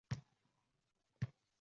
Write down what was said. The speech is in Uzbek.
Shu bilan maqtanish emasdir.